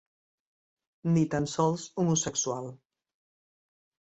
Ni tan sols homosexual.